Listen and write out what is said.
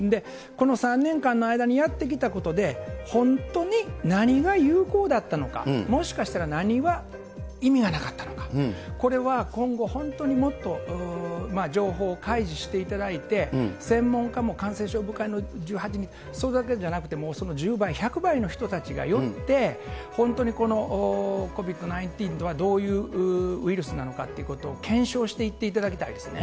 この３年間の間にやってきたことで、本当に何が有効だったのか、もしかしたら何は意味がなかったのか、これは今後、本当にもっと情報を開示していただいて、専門家も感染症部会の１８人、それだけじゃなくて、もうその１０倍、１００倍の人たちがよって、本当にこのＣＯＶＩＤー１９とはどういうウイルスなのかってことを検証していっていただきたいですよね。